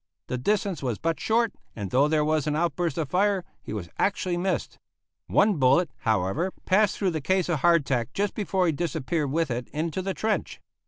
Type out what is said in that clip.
The distance was but short, and though there was an outburst of fire, he was actually missed. One bullet, however, passed through the case of hardtack just before he disappeared with it into the trench.